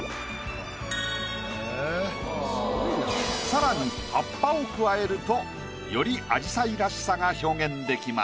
更に葉っぱを加えるとより紫陽花らしさが表現できます。